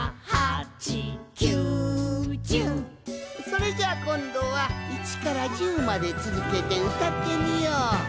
「４５６」「７８９１０」「７８９１０」それじゃあこんどは１から１０までつづけてうたってみよう！